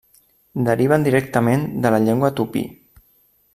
Deriven directament de la llengua Tupí.